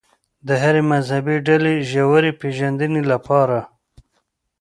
د هرې مذهبي ډلې ژورې پېژندنې لپاره.